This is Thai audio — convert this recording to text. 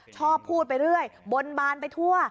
ชอบพูดไปเรื่อยบนบานไปทั่ว